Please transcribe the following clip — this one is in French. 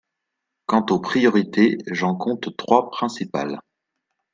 Quant aux priorités, j’en compte trois principales.